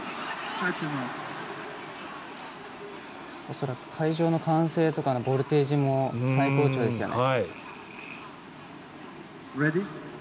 恐らく、会場の歓声とかのボルテージも最高潮ですよね。